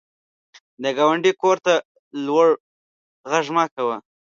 د ګاونډي کور ته لوړ غږ مه کوه